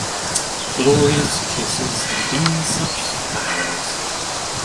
Gloria's kisses had been such flowers.